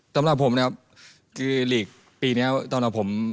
สำหรับผมนะครับคือเล็กปีนี้ตอนเราผม